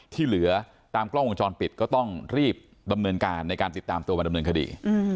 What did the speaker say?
ที่เหลือตามกล้องวงจรปิดก็ต้องรีบดำเนินการในการติดตามตัวมาดำเนินคดี